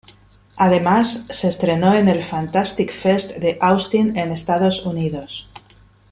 Además, se estrenó en el Fantastic Fest de Austin, en Estados Unidos.